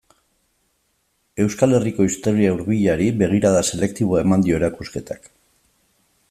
Euskal Herriko historia hurbilari begirada selektiboa eman dio erakusketak.